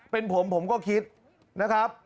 เป็นผมผมก็คิดนะครับ